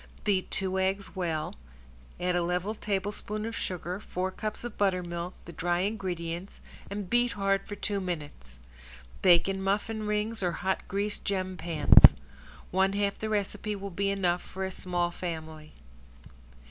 Beat two eggs well, add a level tablespoon of sugar, four cups of buttermilk, the dry ingredients, and beat hard for two minutes. Bake in muffin rings or hot greased gem pans. One half the recipe will be enough for a small family.